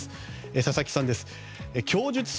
佐々木さんです。